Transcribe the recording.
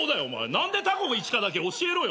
何でタコが１かだけ教えろよ。